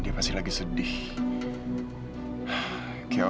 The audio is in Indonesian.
kalian jaut jar desenvolstu ya